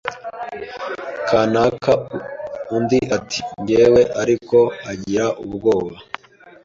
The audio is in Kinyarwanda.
kanaka undi ati ni njyewe ariko agira ubwoba